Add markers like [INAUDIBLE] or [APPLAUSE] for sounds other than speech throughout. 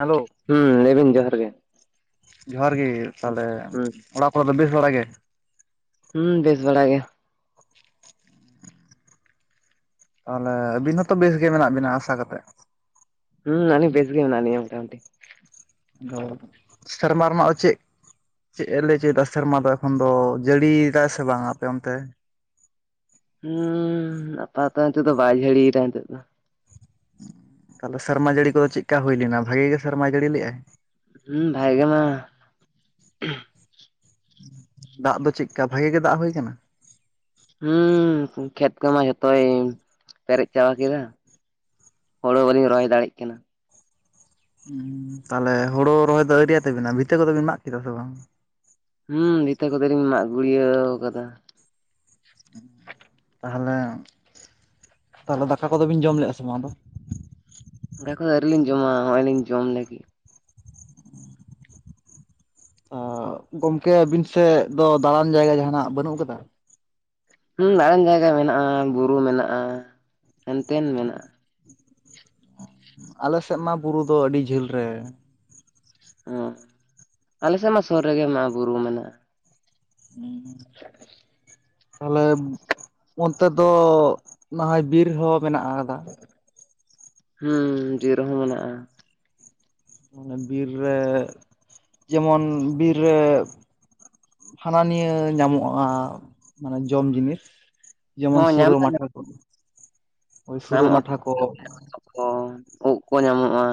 Hello. ᱦᱩᱸ ᱞᱟᱹᱭ ᱵᱤᱱ ᱡᱚᱦᱟᱨ ᱜᱮ ᱡᱚᱦᱟᱨ ᱜᱮ ᱛᱟᱦᱟᱞᱮ ᱦᱩᱸ ᱚᱲᱟᱜ ᱠᱚᱨᱮ ᱫᱚ ᱵᱮᱥ ᱵᱟᱲᱟ ᱜᱮ? ᱦᱩᱸ ᱵᱮᱥ ᱵᱟᱲᱟ ᱜᱮᱭᱟ᱾ ᱛᱟᱦᱚᱞᱮ ᱟᱹᱵᱤᱱ ᱦᱚᱸ ᱛᱚ ᱵᱮᱥ ᱜᱮ ᱢᱮᱱᱟᱜ ᱵᱤᱱᱟ ᱟᱥᱟ ᱠᱟᱛᱮᱫ᱾ ᱦᱩᱸ ᱟᱞᱤᱧ ᱵᱮᱥ ᱜᱮ ᱢᱮᱱᱟᱜ ᱞᱤᱧᱟ ᱢᱚᱴᱟ ᱢᱩᱴᱤ᱾ ᱫᱚ, ᱥᱮᱨᱢᱟ ᱨᱮᱱᱟᱜ ᱫᱚ ᱪᱮᱫ ᱪᱮᱫ ᱮ ᱞᱟᱹᱭ ᱦᱚᱪᱚᱭᱫᱟ ᱥᱮᱨᱢᱟ ᱫᱚ ᱮᱠᱷᱚᱱ ᱫᱚ ᱡᱟᱹᱲᱤᱭᱮᱫᱟᱭ ᱥᱮ ᱵᱟᱝᱟ ᱟᱯᱮ ᱚᱱᱛᱮ? ᱦᱩᱸᱻ ᱟᱯᱟᱛᱚ ᱱᱤᱛᱚᱜ ᱫᱚ ᱵᱟᱭ ᱡᱷᱟᱹᱲᱤᱭᱮᱫᱟ ᱱᱤᱛᱚᱜ ᱫᱚ᱾ ᱛᱟᱦᱚᱞᱮ ᱥᱮᱨᱢᱟ ᱡᱟᱹᱲᱤ ᱠᱚᱫᱚ ᱪᱮᱜᱠᱟ ᱦᱩᱭ ᱞᱮᱱᱟ ᱵᱷᱟᱜᱤ ᱜᱮ ᱥᱮᱨᱢᱟ ᱡᱟᱹᱲᱤ ᱞᱮᱜ-ᱟᱭ? ᱦᱩ ᱵᱷᱟᱜᱮ ᱢᱟ ᱫᱟᱜ ᱫᱚ ᱪᱮᱜᱠᱟ ᱵᱷᱟᱜᱮ ᱜᱮ ᱫᱟᱜ ᱦᱩᱭ ᱠᱟᱱᱟ? ᱦᱩᱸ, ᱠᱷᱮᱛ ᱠᱚᱢᱟ ᱡᱷᱚᱛᱚᱭ ᱯᱮᱨᱮᱡ ᱪᱟᱵᱟ ᱠᱮᱫᱟ᱾ ᱦᱳᱲᱳ ᱵᱟᱹᱞᱤᱧ ᱨᱚᱦᱚᱭ ᱫᱟᱲᱮᱜ ᱠᱟᱱᱟ᱾ ᱩᱸ ᱛᱟᱦᱚᱞᱮ ᱦᱳᱲᱳ ᱨᱚᱦᱚᱭ ᱫᱚ ᱟᱹᱣᱨᱤᱭᱟᱜ ᱛᱟᱵᱤᱱᱟ, ᱵᱷᱤᱛᱟᱹ ᱠᱚᱫᱚ ᱵᱤᱱ ᱢᱟᱜ ᱠᱮᱫᱟ ᱥᱮ ᱵᱟᱝ? ᱦᱩᱸᱻ ᱵᱷᱤᱛᱟᱹ ᱠᱚᱫᱚᱮᱞᱤᱧ ᱢᱟᱜ ᱜᱩᱲᱭᱟᱹᱣ ᱠᱟᱫᱟ᱾ ᱛᱟᱦᱚᱞᱮ, ᱛᱟᱦᱚᱞᱮ ᱫᱟᱠᱟ ᱠᱚᱫᱚ ᱵᱤᱱ ᱡᱚᱢ ᱞᱮᱫᱼᱟ ᱥᱮ ᱵᱟᱝ ᱟᱫᱚ? [UNINTELLIGIBLE] ᱠᱚᱫᱚ ᱟᱹᱣᱨᱤ ᱞᱤᱧ ᱡᱚᱢᱟ ᱦᱚᱸᱜ-ᱚᱭ ᱞᱤᱧ ᱡᱚᱢ ᱞᱟᱹᱜᱤᱫ᱾ ᱚᱻ, ᱜᱚᱝᱠᱮ ᱟᱵᱤᱱ ᱥᱮᱫ ᱫᱚ ᱫᱟᱬᱟᱱ ᱡᱟᱭᱜᱟ ᱡᱟᱦᱟᱸᱱᱟᱜ ᱵᱟᱹᱱᱩᱜ ᱠᱟᱫᱟ? ᱦᱩᱸ ᱫᱟᱬᱟᱱ ᱡᱟᱭᱜᱟ ᱢᱮᱱᱟᱜᱼᱟ ᱵᱩᱨᱩ ᱢᱮᱱᱟᱜᱼᱟ, ᱦᱮᱱᱛᱮᱱ ᱢᱮᱱᱟᱜᱼᱟ᱾ ᱟᱞᱮ ᱥᱮᱫ ᱢᱟ ᱵᱩᱨᱩ ᱫᱚ ᱟᱹᱰᱤ ᱡᱷᱟᱹᱞ ᱨᱮ᱾ ᱚ, ᱟᱞᱮ ᱥᱮᱫ ᱢᱟ ᱥᱩᱨ ᱨᱮᱜᱮ ᱢᱮᱱᱟᱜ-ᱟ ᱵᱩᱨᱩ ᱢᱮᱱᱟᱜᱼᱟ᱾ ᱦᱩᱸᱻ, ᱛᱟᱦᱚᱞᱮᱢ ᱚᱱᱛᱮ ᱫᱚ ᱱᱟᱦᱚᱭ ᱵᱤᱨ ᱦᱚ ᱢᱮᱱᱟᱜ ᱠᱟᱫᱟ᱾ ᱦᱩᱸ ᱡᱤᱨ ᱦᱚ ᱢᱮᱱᱟᱜ-ᱟ᱾ ᱢᱟᱱᱮ ᱵᱤᱨ ᱨᱮ ᱡᱮᱢᱚᱱ ᱵᱤᱨ ᱨᱮ᱾ ᱦᱟᱱᱟ ᱱᱤᱭᱟᱹ ᱧᱟᱢᱚᱜ-ᱟ ᱢᱟᱱᱮ ᱡᱚᱢ ᱡᱤᱱᱤᱥ᱾ ᱡᱮᱢᱚᱱ ᱦᱚᱸ ᱧᱟᱢ ᱥᱩᱨᱟᱹ ᱫᱚ ᱢᱟᱴᱷᱟ ᱠᱚ ᱦᱳᱭ ᱥᱩᱨᱟᱹ ᱧᱟᱢᱚᱜᱼᱟ ᱢᱟᱴᱷᱟ ᱠᱚ᱾ ᱠᱚ ᱩᱜ ᱠᱚ ᱧᱟᱢᱚᱜ-ᱟ᱾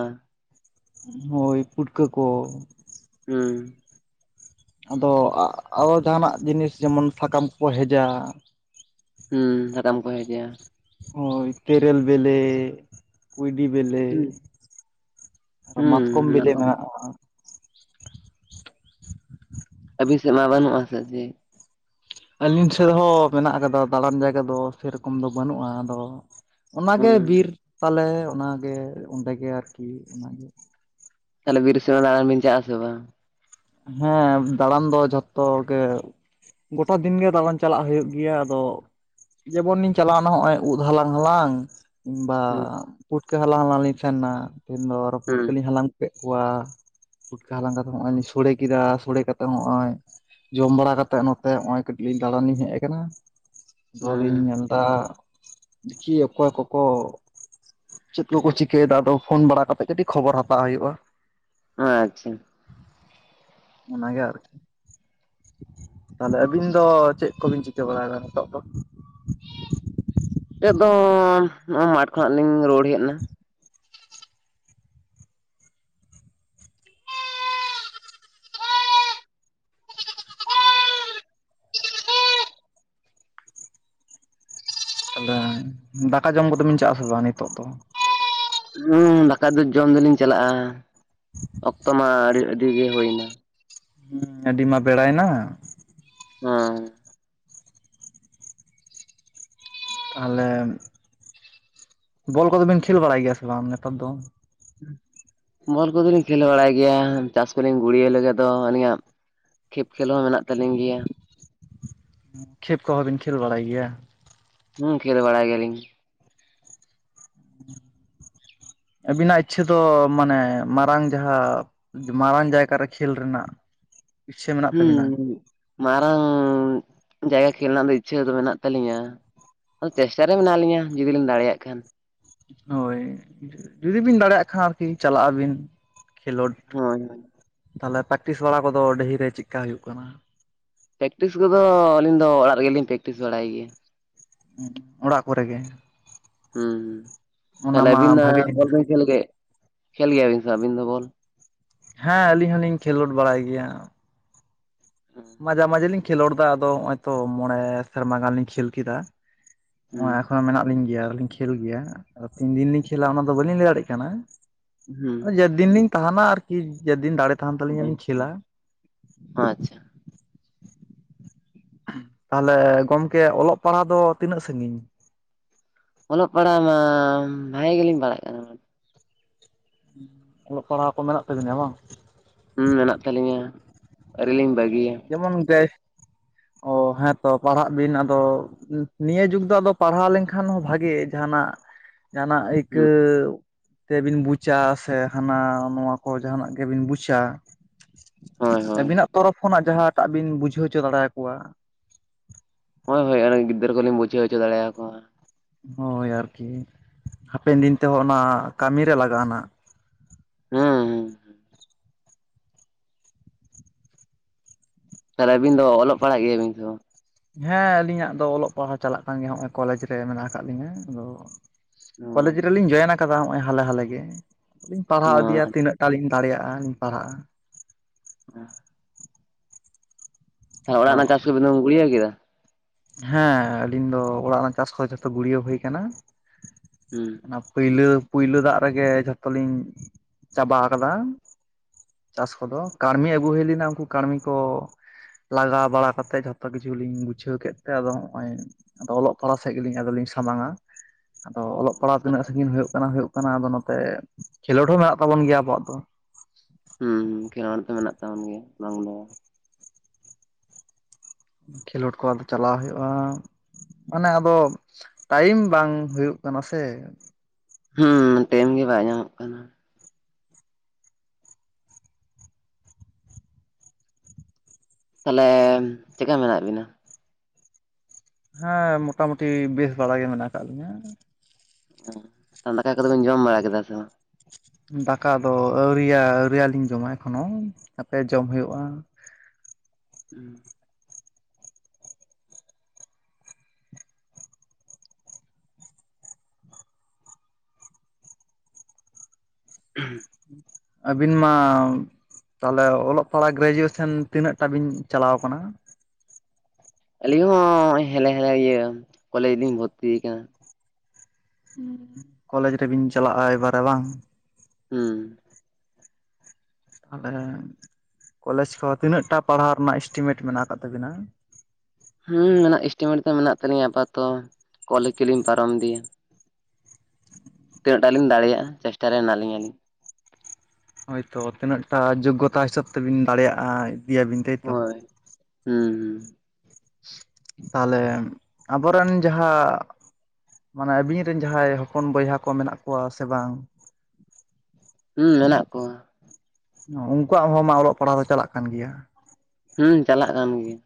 ᱦᱳᱭ ᱯᱩᱴᱠᱟᱹ ᱠᱚ᱾ ᱦᱩᱸ᱾ ᱟᱫᱚ ᱟᱨᱚ ᱡᱟᱦᱟᱱᱟᱜ ᱡᱤᱱᱤᱥ ᱡᱮᱢᱚᱱ ᱥᱟᱠᱟᱢ ᱠᱚᱠᱚ ᱦᱮᱡᱟ᱾ ᱦᱩᱸ ᱥᱟᱠᱟᱢ ᱠᱚ ᱦᱮᱡᱟ᱾ ᱦᱳᱭ ᱛᱮᱨᱮᱞ ᱵᱮᱞᱮ᱾ ᱠᱩᱸᱭᱰᱤ ᱵᱮᱞᱮ ᱦᱩᱸ ᱟᱨ ᱦᱩᱸ ᱢᱟᱛᱠᱚᱢ ᱚᱱᱟ ᱵᱮᱞᱮ ᱠᱚ ᱢᱮᱱᱟᱜ-ᱟ᱾ ᱟᱹᱵᱤᱱ ᱥᱮᱜ ᱢᱟ ᱵᱟᱹᱱᱩᱜ-ᱟ ᱥᱮ ᱪᱮᱜ? ᱟᱹᱞᱤᱧ ᱥᱮᱫ ᱦᱚᱸ ᱢᱮᱱᱟᱜ ᱠᱟᱫᱟ ᱫᱟᱸᱬᱟᱱ ᱡᱟᱭᱜᱟ ᱫᱚ ᱥᱮᱨᱚᱠᱚᱢ ᱫᱚ ᱵᱟᱹᱱᱩᱜ-ᱟ ᱟᱫᱚ ᱚᱱᱟᱜᱮ ᱦᱩᱸ ᱵᱤᱨ ᱛᱟᱞᱮ ᱚᱱᱟᱜᱮ ᱚᱸᱰᱮᱜᱮ ᱟᱨᱠᱤ ᱚᱱᱟᱜᱮ ᱛᱟᱦᱞᱮ ᱵᱤᱨ ᱥᱮᱜ ᱦᱚᱸ ᱫᱟᱸᱬᱟᱱ ᱵᱤᱱ ᱪᱟᱜ-ᱟ ᱥᱮ ᱵᱟᱝ? ᱦᱮᱸ ᱫᱟᱸᱬᱟᱱ ᱫᱚ ᱡᱷᱚᱛᱚ ᱜᱮ ᱜᱚᱴᱟ ᱫᱤᱱ ᱜᱮ ᱫᱟᱸᱬᱟᱱ ᱪᱟᱞᱟᱜ ᱦᱳᱭᱳᱜ ᱜᱮᱭᱟ ᱟᱫᱚ ᱡᱮᱢᱚᱱᱤᱧ ᱪᱟᱞᱟᱣᱱᱟ ᱦᱚᱸᱜ-ᱚᱭ ᱩᱫ ᱦᱟᱞᱟᱝ ᱦᱟᱞᱟᱝ ᱠᱤᱝᱵᱟ ᱦᱩᱸ ᱯᱩᱴᱠᱟᱹ ᱦᱟᱞᱟᱝ ᱦᱟᱞᱟᱝ ᱞᱤᱧ ᱥᱮᱱ ᱱᱟ ᱛᱮᱦᱮᱱ ᱫᱚ ᱟᱨᱚ ᱦᱩᱸ ᱯᱩᱴᱠᱟᱹᱞᱤᱧ ᱦᱟᱞᱟᱝ ᱠᱮᱜ ᱠᱚᱣᱟ ᱯᱩᱴᱠᱟᱹ ᱦᱟᱞᱟᱝ ᱠᱟᱛᱮ ᱦᱚᱸᱜ-ᱚᱭ ᱞᱤᱧ ᱥᱳᱲᱮ ᱠᱮᱫᱟ ᱥᱳᱲᱮ ᱠᱟᱛᱮ ᱦᱚᱸᱜ-ᱚᱭ ᱡᱚᱢ ᱵᱟᱲᱟ ᱠᱟᱛᱮᱜ ᱱᱚᱛᱮ ᱦᱚᱸᱜ-ᱚᱭ ᱠᱟᱹᱴᱤᱡ ᱞᱤᱧ ᱫᱟᱸᱬᱟᱱ ᱞᱤᱧ ᱦᱮᱡ ᱠᱟᱱᱟ ᱵᱟᱞᱤᱧ ᱧᱮᱞ ᱫᱟ ᱫᱮᱠᱷᱤ ᱚᱠᱚᱭ ᱠᱚᱠᱚ ᱪᱮᱫ ᱠᱚᱠᱚ ᱪᱤᱠᱟᱹᱭᱫᱟ ᱟᱫᱚ ᱯᱷᱳᱱ ᱵᱟᱲᱟ ᱠᱟᱛᱮ ᱠᱟᱴᱤᱜ ᱠᱷᱚᱵᱚᱨ ᱦᱟᱛᱟᱣ ᱦᱳᱭᱳᱜ-ᱟ᱾ ᱟ-ᱪᱷᱟ᱾ ᱚᱱᱟᱜᱮ ᱟᱨᱠᱤ᱾ ᱛᱟᱦᱞᱮ ᱟᱹᱵᱤᱱ ᱫᱚ ᱪᱮᱜ ᱠᱚᱵᱤᱱ ᱪᱤᱠᱟᱹ ᱵᱟᱲᱟᱭᱫᱟ ᱱᱤᱛᱚᱜ ᱫᱚ? ᱮᱫᱚᱢ ᱱᱚᱜ-ᱚ ᱢᱟᱴᱷ ᱠᱷᱚᱱᱟᱜ ᱞᱤᱧ ᱨᱩᱣᱟᱹᱲ ᱦᱮᱜ ᱱᱟ᱾ ᱛᱟᱦᱞᱮ ᱫᱟᱠᱟ ᱡᱚᱢ ᱠᱚᱫᱚ ᱵᱤᱱ ᱪᱟᱜ-ᱟ ᱥᱮ ᱵᱟᱝ ᱱᱤᱛᱚᱜ ᱫᱚ᱾ ᱦᱩᱸ ᱫᱟᱠᱟ ᱫᱚ ᱡᱚᱢ ᱫᱚᱞᱤᱧ ᱪᱟᱞᱟᱜ-ᱟ ᱚᱠᱛᱚ ᱢᱟ ᱟᱹᱰᱤ ᱟᱹᱰᱤ ᱜᱮ ᱦᱳᱭᱱᱟ᱾ ᱦᱩᱸ ᱟᱹᱰᱤ ᱢᱟ ᱵᱮᱲᱟᱭ ᱱᱟ᱾ ᱦᱮᱸ᱾ ᱛᱟᱦᱞᱮ ᱵᱚᱞ ᱠᱚᱫᱚ ᱵᱤᱱ ᱠᱷᱮᱞ ᱵᱟᱲᱟᱭ ᱜᱮᱭᱟ ᱥᱮ ᱵᱟᱝ ᱱᱮᱛᱟᱨ ᱫᱚ? ᱵᱚᱞ ᱠᱚᱫᱚ ᱞᱤᱧ ᱠᱷᱮᱞ ᱵᱟᱲᱟᱭ ᱜᱮᱭᱟ ᱪᱟᱥ ᱠᱚᱞᱤᱧ ᱜᱩᱲᱭᱟᱹᱣ ᱞᱮᱜᱮ ᱫᱚ ᱟᱹᱞᱤᱧᱟᱜ ᱠᱷᱮᱯ ᱠᱷᱮᱞ ᱦᱚᱸ ᱢᱮᱱᱟᱜ ᱛᱟᱹᱞᱤᱧ ᱜᱮᱭᱟ᱾ ᱠᱷᱮᱯ ᱠᱚᱦᱚᱸ ᱵᱤᱱ ᱠᱷᱮᱞ ᱵᱟᱲᱟᱭ ᱜᱮᱭᱟ? ᱦᱩᱸ ᱠᱷᱮᱞ ᱵᱟᱲᱟᱭ ᱜᱮᱭᱟᱞᱤᱧ᱾ ᱟᱹᱵᱤᱱᱟᱜ ᱤᱪᱪᱷᱟᱹ ᱫᱚ ᱢᱟᱱᱮ ᱢᱟᱨᱟᱝ ᱡᱟᱸᱦᱟ ᱢᱟᱨᱟᱝ ᱡᱟᱭᱜᱟ ᱨᱮ ᱠᱷᱮᱞ ᱨᱮᱱᱟᱜ? ᱤᱪᱪᱷᱟᱹ ᱢᱮᱱᱟᱜ ᱦᱩᱸ ᱛᱟᱵᱤᱱᱟ ᱦᱩᱸ ᱢᱟᱨᱟᱝ ᱡᱟᱭᱜᱟ ᱠᱷᱮᱞ ᱨᱮᱱᱟᱜ ᱫᱚ ᱤᱪᱪᱷᱟᱹ ᱫᱚ ᱢᱮᱱᱟᱜ ᱛᱟᱞᱤᱧᱟ᱾ ᱟᱫᱚ ᱪᱮᱥᱴᱟ ᱨᱮ ᱢᱮᱱᱟᱜ ᱞᱤᱧᱟ ᱡᱩᱫᱤᱞᱤᱧ ᱫᱟᱲᱮᱭᱟᱜ ᱠᱷᱟᱱ᱾ ᱦᱳᱭ ᱡᱩᱫᱤ ᱵᱤᱱ ᱫᱟᱲᱮᱭᱟᱜ ᱠᱷᱟᱱ ᱟᱨ ᱠᱤ ᱪᱟᱞᱟᱜ ᱟᱵᱤᱱ ᱠᱷᱮᱞᱳᱰ᱾ ᱦᱳᱭ᱾ ᱛᱟᱦᱞᱮ ᱯᱮᱠᱴᱤᱥ ᱵᱟᱲᱟ ᱠᱚᱫᱚ ᱰᱟᱹᱦᱤᱨᱮ ᱪᱮᱜᱠᱟ ᱦᱩᱭᱩᱜ ᱠᱟᱱᱟ᱾ ᱯᱮᱠᱴᱤᱥ ᱠᱚᱫᱚ ᱟᱹᱞᱤᱧ ᱫᱚ ᱚᱲᱟᱜ ᱨᱮᱜᱮᱞᱤᱧ ᱯᱮᱠᱴᱤᱥ ᱵᱟᱲᱟᱭ ᱜᱮᱭᱟ᱾ ᱚᱲᱟᱜ ᱠᱚᱨᱮ ᱜᱮ᱾ ᱦᱩᱸ ᱚᱱᱟ ᱛᱟᱦᱞᱮ ᱢᱟ ᱟᱹᱵᱤᱱ ᱫᱚ ᱵᱷᱟᱜᱮ ᱡᱤᱱᱤᱥ ᱵᱚᱞ ᱵᱤᱱ ᱠᱷᱮᱞ ᱜᱮ ᱠᱷᱮᱞ ᱜᱮᱭᱟ ᱵᱤᱱ ᱟᱹᱵᱤᱱ ᱫᱚ ᱵᱚᱞ? ᱦᱮᱸ ᱟᱹᱞᱤᱧ ᱦᱚᱞᱤᱧ ᱠᱷᱮᱞᱳᱰ ᱵᱟᱲᱟᱭ ᱜᱮᱭᱟ᱾ ᱢᱟᱡᱷᱮ ᱢᱟᱡᱮ ᱞᱤᱧ ᱠᱷᱮᱞᱳᱰ ᱮᱫᱟ ᱟᱫᱚ ᱱᱚᱜᱼᱚᱭ ᱛᱚ ᱢᱚᱬᱮ ᱥᱮᱨᱢᱟ ᱜᱟᱱ ᱞᱤᱧ ᱠᱷᱮᱞ ᱠᱮᱫᱟ᱾ ᱦᱩᱸ ᱱᱚᱜᱼᱚᱭ ᱮᱠᱷᱚᱱᱳ ᱢᱮᱱᱟᱜ ᱞᱤᱧ ᱜᱮᱭᱟ ᱟᱞᱤᱧ ᱠᱷᱮᱞ ᱜᱮᱭᱟ ᱟᱫᱚ ᱛᱤᱱ ᱫᱤᱱ ᱞᱤᱧ ᱠᱷᱮᱹᱞᱟ ᱚᱱᱟᱫᱚ ᱵᱟᱹᱞᱤᱧ ᱞᱟᱹᱭ ᱫᱟᱲᱮᱭᱟᱜ ᱠᱟᱱᱟ᱾ ᱦᱩᱸ ᱡᱮᱫᱤᱱ ᱞᱤᱧ ᱛᱟᱦᱮᱱᱟ ᱟᱨᱠᱤ ᱡᱮᱫᱤᱱ ᱫᱟᱲᱮᱼᱼ ᱟᱪᱪᱷᱟ᱾ ᱛᱟᱦᱚᱞᱮ ᱜᱚᱝᱠᱮ ᱚᱞᱚᱜ ᱯᱟᱲᱦᱟᱜ ᱫᱚ ᱛᱤᱱᱟᱹᱜ ᱥᱟᱹᱜᱤᱧ? ᱚᱞᱚᱜ ᱯᱟᱲᱦᱟᱜ ᱢᱟ ᱵᱷᱟᱜᱮ ᱜᱮᱞᱤᱧ ᱯᱟᱲᱟᱜ ᱠᱟᱱᱟ᱾ ᱚᱞᱚᱜ ᱯᱟᱲᱦᱟᱣ ᱠᱚ ᱢᱮᱱᱟᱜ ᱛᱟᱵᱤᱧᱭᱟ ᱵᱟᱝ? ᱦᱩᱸ ᱢᱮᱱᱟᱜ ᱛᱟᱹᱟᱞᱤᱧᱟ ᱟᱹᱣᱨᱤ ᱞᱤᱧ ᱵᱟᱹᱜᱤᱭᱟ᱾ ᱡᱮᱢᱚᱱ [UNINTELLIGIBLE] ᱚ ᱦᱮᱸ ᱛᱚ ᱯᱟᱲᱦᱟᱜ ᱵᱤᱱ ᱟᱫᱚ ᱱᱤᱭᱟᱹ ᱡᱩᱜᱽ ᱫᱚ ᱟᱫᱚ ᱯᱟᱲᱦᱟᱣ ᱞᱮᱱᱠᱷᱟᱱ ᱦᱚᱸ ᱵᱷᱟᱜᱮ ᱡᱟᱦᱟᱱᱟᱜ ᱡᱟᱦᱟᱱᱟᱜ ᱦᱩᱸ ᱟᱹᱭᱠᱟᱹᱣ ᱛᱮᱵᱤᱱ ᱵᱩᱡᱟ ᱥᱮ ᱦᱟᱱᱟ ᱱᱚᱣᱟ ᱠᱚ ᱡᱟᱦᱟᱱᱟᱜ ᱜᱮᱵᱤᱱ ᱵᱩᱡᱟ᱾ ᱦᱳᱭ ᱦᱳᱭ ᱟᱵᱤᱱᱟᱜ ᱛᱚᱨᱚᱯ ᱠᱷᱚᱱᱟᱜ ᱡᱟᱦᱟ ᱴᱟᱜ ᱵᱤᱱ ᱵᱩᱡᱷᱟᱹᱣ ᱦᱚᱪᱚ ᱫᱟᱲᱮ ᱭᱟᱠᱚᱣᱟ᱾ ᱦᱳᱭ ᱦᱳᱭ ᱟᱨᱚ ᱜᱤᱫᱟᱹᱨ ᱠᱚᱞᱤᱧ ᱵᱩᱡᱷᱟᱹᱣᱪᱚ ᱫᱟᱲᱮ ᱭᱟᱣᱟᱼᱼ ᱦᱳᱭ ᱟᱨᱠᱤ ᱦᱟᱯᱮᱱ ᱫᱤᱱ ᱛᱮ ᱚᱱᱟ ᱠᱟᱹᱢᱤ ᱨᱮ ᱞᱟᱜᱟᱜᱼᱟ ᱱᱟᱦᱱᱟᱜ ᱦᱩᱸᱻ ᱛᱟᱦᱚᱞᱮ ᱟᱹᱵᱤᱱ ᱫᱚ ᱚᱞᱚᱜ ᱯᱟᱲᱦᱟᱜ ᱜᱮᱭᱟ ᱵᱤᱱ ᱥᱮ ᱵᱟᱝ? ᱦᱮᱸ ᱟᱞᱤᱧᱟᱜ ᱫᱚ ᱚᱞᱚᱜ ᱯᱟᱲᱦᱟᱣ ᱪᱟᱞᱟᱜ ᱠᱟᱱ ᱜᱮᱭᱟ ᱱᱚᱜ ᱚᱭ ᱠᱚᱞᱮᱡᱽ ᱨᱮ ᱢᱮᱱᱟᱜ ᱟᱠᱟᱫ ᱞᱤᱧᱟᱹ ᱟᱫᱚᱼᱼ ᱚ ᱠᱚᱞᱮᱡ ᱨᱮᱞᱤᱧ ᱡᱚᱭᱮᱱ ᱟᱠᱟᱫᱟ ᱱᱚᱜ ᱚᱭ ᱦᱟᱞᱮ ᱦᱟᱞᱮ ᱜᱮ ᱟᱫᱚᱞᱤᱧ ᱯᱟᱲᱦᱟᱣ ᱤᱫᱤᱭᱟ ᱟᱪᱪᱷᱟ, ᱛᱤᱱᱟᱹᱜᱴᱟ ᱞᱤᱧ ᱫᱟᱲᱮᱭᱟᱜᱼᱟ ᱯᱟᱲᱦᱟᱜᱼᱟ ᱚᱻ ᱛᱚ ᱚᱲᱟᱜ ᱨᱮᱱᱟᱜ ᱪᱟᱥ ᱠᱚᱵᱮᱱ ᱜᱩᱲᱤᱭᱟᱹ ᱠᱮᱫᱟ᱾ ᱦᱮ ᱟᱞᱤᱧ ᱫᱚ ᱚᱲᱟᱜ ᱨᱮᱱ ᱪᱟᱥ ᱠᱚ ᱡᱚᱛᱚ ᱜᱩᱲᱭᱟᱹ ᱦᱩᱭ ᱠᱟᱱᱟ᱾ ᱦᱩ ᱚᱱᱟ ᱯᱟᱹᱭᱞᱟᱹ ᱯᱩᱭᱞᱟᱹ ᱫᱟᱜ ᱨᱮᱜᱮ ᱡᱷᱚᱛᱚ ᱞᱤᱧ ᱪᱟᱵᱟ ᱠᱟᱫᱟ᱾ ᱪᱟᱥ ᱠᱚᱫᱚ ᱠᱟᱨᱢᱤ ᱟᱜᱩ ᱦᱩᱭ ᱞᱮᱱᱟ ᱩᱱᱠᱩᱼᱼ ᱠᱟᱲᱢᱤ ᱠᱚ ᱞᱟᱜᱟᱣ ᱵᱟᱲᱟ ᱠᱟᱛᱮᱫ ᱡᱷᱚᱛᱚ ᱠᱤᱪᱷᱩᱞ ᱞᱤᱧ ᱜᱩᱡᱷᱟᱹᱣ ᱠᱮᱫ ᱛᱮ ᱟᱫᱚ ᱱᱚᱜ ᱚᱭ ᱚᱞᱚᱜ ᱯᱟᱲᱦᱟᱜ ᱥᱮᱫ ᱜᱮᱞᱤᱧ ᱟᱫᱚᱞᱤᱧ ᱥᱟᱢᱟᱝᱼᱟ᱾ ᱟᱫᱚ ᱚᱞᱚᱜ ᱯᱟᱲᱦᱟᱜ ᱛᱤᱱᱟᱹᱜ ᱥᱟᱜᱤᱧ ᱦᱩᱭᱩᱜ ᱠᱟᱱᱟ ᱦᱩᱭᱩᱜ ᱠᱟᱱᱟ ᱟᱫᱚ ᱱᱚᱛᱮ ᱠᱷᱮᱞᱳᱰ ᱦᱚᱸ ᱢᱮᱱᱟᱜ ᱛᱟᱵᱚᱱ ᱜᱮᱭᱟ ᱟᱵᱚᱣᱟᱜ ᱫᱚ᱾ ᱦᱩ ᱠᱷᱮᱞᱳᱰ ᱫᱚ ᱢᱮᱱᱟᱜ ᱛᱟᱵᱚᱱ ᱜᱮᱭᱟ ᱵᱟᱝ ᱫᱚ ᱵᱟᱝᱼᱼ ᱠᱷᱮᱞᱳᱰ ᱠᱚ ᱟᱫᱚ ᱪᱟᱞᱟᱣ ᱦᱩᱭᱩᱜᱼᱟ ᱢᱟᱱᱮ ᱟᱫᱚ ᱴᱟᱭᱤᱢ ᱵᱟᱝ ᱦᱩᱭᱩᱜᱼᱼ ᱠᱟᱱᱟ ᱥᱮᱼᱼ ᱦᱩ ᱴᱟᱭᱤᱢ ᱜᱮ ᱵᱟᱭ ᱧᱟᱢᱚᱜ ᱠᱟᱱᱟ᱾ ᱛᱟᱦᱚᱞᱮ ᱪᱮᱫᱠᱟ ᱢᱮᱱᱟᱜ ᱵᱤᱱᱟ᱾ ᱦᱮᱸ ᱢᱚᱴᱟ ᱢᱩᱩᱴᱤ ᱵᱮᱥ ᱵᱟᱲᱟ ᱜᱮ ᱢᱮᱱᱟᱜ ᱠᱟᱫ ᱞᱤᱧᱟᱹ᱾ ᱫᱟᱠᱟ ᱠᱚᱫᱚ ᱵᱤᱱ ᱡᱚᱢ ᱵᱟᱲᱟ ᱠᱮᱫᱟ ᱥᱮ ᱵᱟᱝ? ᱫᱟᱠᱟ ᱫᱚ ᱟᱹᱣᱨᱤᱭᱟ ᱟᱹᱣᱨᱤᱭᱟ ᱞᱤᱧ ᱡᱚᱢᱟ ᱮᱠᱷᱚᱱᱳ ᱦᱟᱯᱮ ᱡᱚᱢ ᱦᱩᱭᱩᱜᱼᱟ᱾ ᱦᱩ [UNINTELLIGIBLE] ᱟᱵᱤᱱ ᱢᱟᱼᱼ ᱛᱟᱦᱚᱞᱮ ᱚᱞᱚᱜ ᱯᱟᱲᱦᱟᱜ ᱜᱨᱮᱡᱩᱭᱮᱥᱚᱱ ᱛᱤᱱᱟᱹᱜ ᱴᱟ ᱵᱤᱱ ᱪᱟᱞᱟᱣ ᱠᱟᱱᱟ? ᱟᱹᱞᱤᱧ ᱦᱚ ᱦᱮᱞᱮ ᱦᱮᱞᱮ ᱜᱮ ᱠᱚᱞᱮᱡᱽ ᱨᱮ ᱞᱤᱧ ᱵᱷᱚᱨᱛᱤ ᱟᱠᱟᱱᱟ? ᱠᱚᱞᱮᱡ ᱨᱮᱵᱤᱱ ᱪᱟᱞᱟᱜᱼᱟ ᱮᱵᱟᱨᱮ ᱵᱟᱝ? ᱦᱩᱸ ᱛᱟᱦᱚᱞᱮ ᱠᱚᱞᱮᱡᱽ ᱯᱚᱨ ᱛᱤᱱᱟᱹᱜ ᱴᱟ ᱯᱟᱲᱦᱟᱣ ᱨᱮᱱᱟᱜ ᱤᱥᱴᱤᱢᱮᱴ ᱢᱮᱱᱟᱜ ᱟᱠᱟᱫ ᱛᱟᱵᱤᱱᱟ? ᱦᱩᱸ ᱢᱮᱱᱟᱜ ᱮᱥᱴᱤᱢᱮᱴ ᱫᱚ ᱢᱮᱱᱟᱜ ᱛᱟᱞᱤᱧᱟ ᱟᱯᱟᱛᱚ ᱠᱚᱞᱮᱡ ᱠᱚᱞᱤᱧ ᱯᱟᱨᱚᱢ ᱤᱫᱤᱭᱟ ᱾ ᱛᱤᱱᱟᱹᱜᱼᱴᱟ ᱞᱤᱧ ᱫᱟᱲᱮᱭᱟᱜᱼᱟ ᱪᱮᱥᱴᱟ ᱨᱮ ᱦᱮᱱᱟᱜᱞᱤᱧᱟ ᱟᱹᱞᱤᱧ ᱾ ᱦᱳᱭᱛᱚ ᱛᱤᱱᱟᱹᱜ ᱴᱟ ᱡᱳᱜᱚᱛᱟ ᱦᱤᱥᱟᱹᱵ ᱛᱮᱵᱤᱱ ᱫᱟᱲᱮᱭᱟᱜᱼᱟ ᱤᱫᱤᱭᱟᱵᱤᱱ ᱛᱟᱹᱭᱛᱚ? ᱦᱩ ᱾ ᱛᱟᱦᱚᱞᱮ ᱟᱵᱚᱨᱮᱱ ᱡᱟᱦᱟ ᱢᱟᱱᱮ ᱟᱵᱤᱱ ᱨᱮᱱ ᱡᱟᱦᱟᱸᱭ ᱦᱚᱯᱚᱱ ᱵᱚᱭᱦᱟ ᱠᱚ ᱢᱮᱱᱟᱜ ᱠᱚᱣᱟ ᱥᱮ ᱵᱟᱝ? ᱦᱩᱸ ᱢᱮᱱᱟᱜ ᱠᱚᱣᱟ ᱾ ᱩᱱᱠᱩᱣᱟᱜ ᱦᱚᱸ ᱢᱟ ᱚᱞᱚᱜ ᱯᱟᱲᱦᱟᱜ ᱫᱚ ᱪᱟᱞᱟᱜ ᱠᱟᱱ ᱜᱮᱭᱟ ᱾ ᱦᱩᱸ ᱪᱟᱞᱟᱜ ᱠᱟᱱ ᱜᱮᱭᱟ ᱾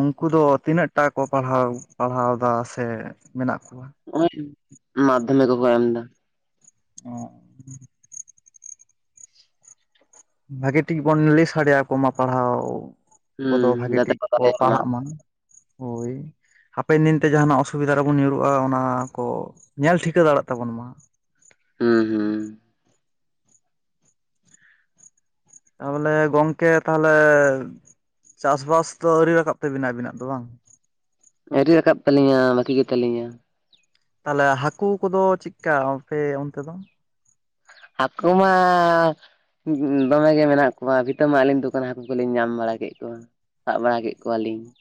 ᱩᱝᱠᱩ ᱫᱚ ᱛᱤᱱᱟᱹᱜ ᱴᱟ ᱠᱚ ᱯᱟᱲᱦᱟᱣ, ᱯᱟᱲᱦᱟᱣ ᱫᱟ ᱥᱮ ᱢᱮᱱᱟᱜ ᱠᱚᱣᱟ? ᱚᱱᱮ ᱢᱟᱫᱽᱫᱷᱚᱢᱤᱠ ᱠᱚᱠᱚ ᱮᱢ ᱫᱟ ᱾ ᱚᱻ ᱵᱷᱟᱜᱮ ᱴᱷᱤᱠ ᱵᱚᱱ ᱞᱟᱹᱭ ᱥᱟᱰᱮ ᱟᱠᱚ ᱢᱟ ᱯᱟᱲᱦᱟᱣ ᱠᱚᱫᱚ ᱦᱩᱸ ᱵᱷᱟᱜᱤ ᱡᱟᱛᱮ ᱴᱷᱤᱠ ᱠᱚ ᱫᱟᱲᱮᱭᱟᱜ ᱯᱟᱲᱦᱟᱜ ᱢᱟ ᱾ ᱦᱳᱭ, ᱦᱟᱯᱮᱱ ᱫᱤᱱᱛᱮ ᱡᱟᱦᱱᱟᱜ ᱚᱥᱩᱵᱤᱫᱷᱟ ᱨᱮᱵᱚᱱ ᱧᱩᱨᱦᱩᱜᱼᱟ ᱚᱱᱟ ᱠᱚ ᱧᱮᱞ ᱴᱷᱤᱠᱟ ᱫᱟᱲᱮᱜ ᱛᱟᱵᱚᱱ ᱢᱟ ᱾ ᱦᱩᱸ ᱦᱩᱸ ᱾ ᱛᱟᱦᱚᱞᱮ ᱜᱚᱝᱠᱮ ᱛᱟᱦᱚᱞᱮ ᱪᱟᱥᱵᱟᱥ ᱫᱚ ᱟᱹᱣᱨᱤ ᱨᱟᱠᱟᱵ ᱛᱮᱵᱤᱱᱟ ᱟᱵᱤᱱᱟᱜ ᱫᱚ ᱵᱟᱝ? ᱟᱹᱨᱤ ᱨᱟᱠᱟᱵ ᱛᱟᱹᱞᱤᱧᱟ ᱵᱟᱹᱠᱤ ᱜᱮᱛᱟᱞᱤᱧᱟ ᱾ ᱛᱟᱦᱚᱞᱮ ᱦᱟᱹᱠᱩ ᱠᱚᱫᱚ ᱪᱤᱜᱠᱟ ᱟᱯᱮ ᱚᱱᱛᱮ ᱫᱚ? ᱦᱟᱠᱳ ᱢᱟᱻ ᱫᱚᱢᱮ ᱜᱮ ᱢᱮᱱᱟᱜ ᱠᱚᱣᱟ, ᱵᱷᱤᱛᱟᱹ ᱢᱟᱜ ᱞᱤᱧ ᱫᱩᱠᱟᱱᱟ ᱦᱟᱹᱠᱩ ᱠᱚᱞᱤᱧ ᱧᱟᱢ ᱵᱟᱲᱟ ᱠᱮᱜ ᱠᱚᱣᱟ ᱾ ᱥᱟᱵ ᱵᱟᱲᱟ ᱠᱮᱜ ᱠᱚᱣᱟᱞᱤᱧ ᱾